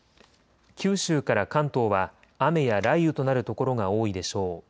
九州から関東は雨や雷雨となる所が多いでしょう。